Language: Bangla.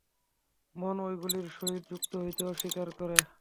মন ঐগুলির সহিত যুক্ত হইতে অস্বীকার করে।